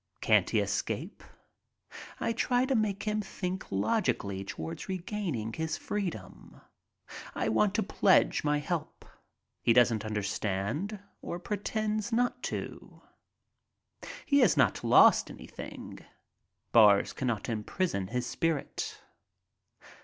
Can't he escape? I try to make him think logically toward regaining his freedom. I want to pledge my help. He doesn't understand, or pretends not to. He has not lost anything. Bars cannot imprison his spirit.